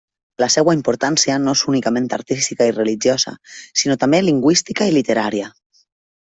La seva importància no és únicament artística i religiosa, sinó també lingüística i literària.